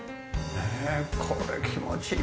ねえこれ気持ちいいだろうな。